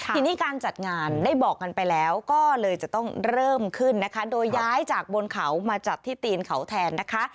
ทีนี้การจัดงานได้บอกกันไปแล้วก็เลยจะต้องเริ่มขึ้นนะคะโดยย้ายจากบนเขามาจัดที่ตีนเขาแทนนะคะ